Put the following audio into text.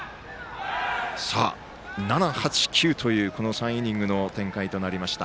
７、８、９というこの３イニングの展開となりました。